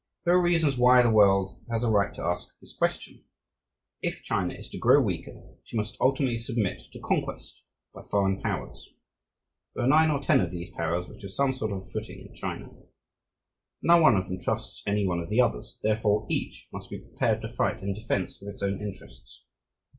There are reasons why the world has a right to ask this question. If China is to grow weaker, she must ultimately submit to conquest by foreign powers. There are nine or ten of these powers which have some sort of a footing in China. No one of them trusts any one of the others, therefore each must be prepared to fight in defense of its own interests.